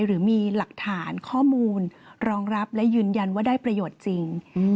หรือมีหลักฐานข้อมูลรองรับและยืนยันว่าได้ประโยชน์จริง